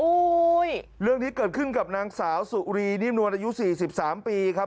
อู้ยเรื่องนี้เกิดขึ้นกับนางสาวสุรีนิ้มนวรอายุ๔๓ปีครับ